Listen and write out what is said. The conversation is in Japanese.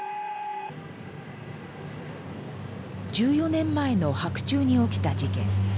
１４年前の白昼に起きた事件。